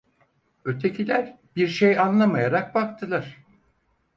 Ötekiler bir şey anlamayarak baktılar.